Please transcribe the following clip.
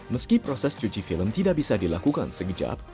meski proses cuci film tidak bisa dilakukan sekejap